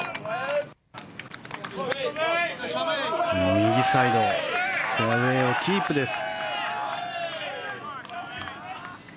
右サイドフェアウェーをキープです。